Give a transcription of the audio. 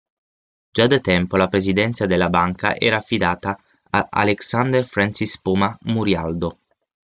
Già da tempo la presidenza della banca era affidata a Alexander Francis Poma Murialdo.